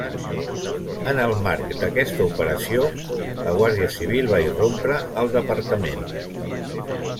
En el marc d'aquesta operació, la Guàrdia civil va irrompre al departament.